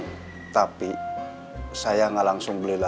karena ada saya pengguna pemerintah